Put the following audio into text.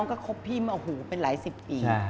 โอ้โหเป็นหลายสิบปี